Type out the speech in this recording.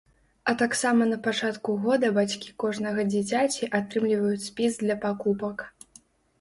А таксама на пачатку года бацькі кожнага дзіцяці атрымліваюць спіс для пакупак.